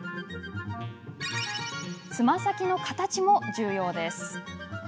つま先の形も重要です。